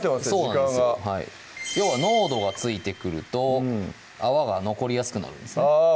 時間がはい要は濃度がついてくると泡が残りやすくなるんですねあぁ